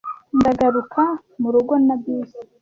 Ndagaruka murugo na bisi.